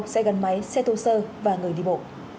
xe gắn máy xe thô sơ và người đi bộ